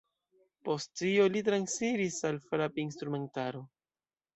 Post tio li transiris al frapinstrumentaro.